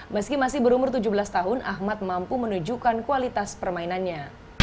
meski masih berumur tujuh belas tahun ahmad mampu menunjukkan kualitas permainannya